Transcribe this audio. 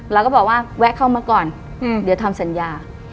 เราก็บอกว่าแวะเข้ามาก่อนเดี๋ยวทำสัญญา